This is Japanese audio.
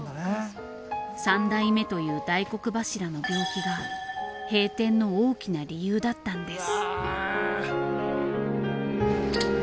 ３代目という大黒柱の病気が閉店の大きな理由だったんです。